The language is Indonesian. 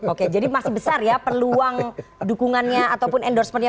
oke jadi masih besar ya peluang dukungannya ataupun endorsementnya